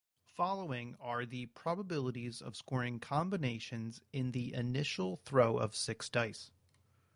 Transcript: Following are the probabilities of scoring combinations in the initial throw of six dice.